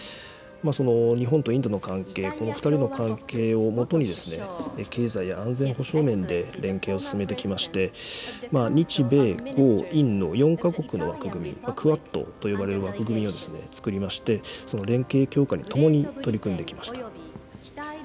その日本とインドの関係、この２人の関係をもとに、経済や安全保障面で連携を進めてきまして、日米豪印の４か国の枠組み・クアッドと呼ばれる枠組みをつくりまして、その連携強化に、共に取り組んできました。